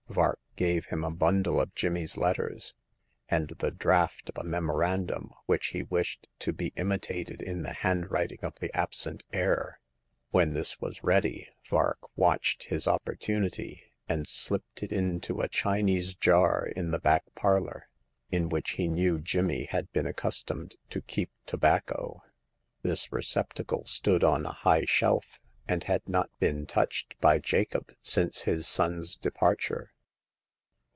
Vark gave him a bundle of Jimmy's letters, and the draft of a memorandum which he wished to be imitated in the handwriting of the absent heir. When this was ready, Vark watched his opportunity and slipped it into a Chinese jar in the back parlor, in which he knew Jiramy tiad 26 Hagar of the Pawn Shop. been accustomed to keep tobacco. This recep tacle stood on a high shelf, and had not been touched by Jacob since his son's departure.